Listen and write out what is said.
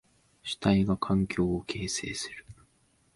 主体が環境を形成する。